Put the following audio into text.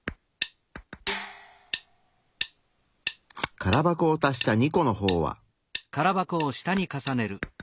空箱を足した２個の方は。